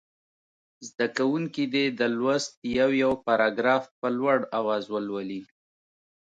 زده کوونکي دې د لوست یو یو پاراګراف په لوړ اواز ولولي.